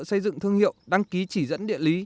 xây dựng thương hiệu đăng ký chỉ dẫn địa lý